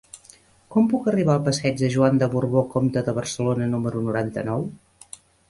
Com puc arribar al passeig de Joan de Borbó Comte de Barcelona número noranta-nou?